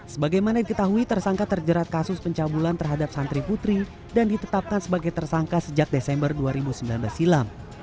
sebagaimana diketahui tersangka terjerat kasus pencabulan terhadap santri putri dan ditetapkan sebagai tersangka sejak desember dua ribu sembilan belas silam